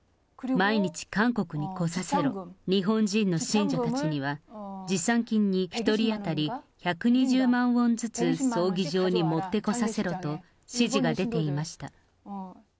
毎日、韓国に来させろ、日本人の信者たちには、持参金に１人当たり１２０万ウォンずつ葬儀場に持って来させろと指示が出ていました。